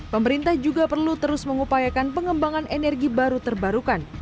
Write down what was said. pemerintah juga perlu terus mengupayakan pengembangan energi baru terbarukan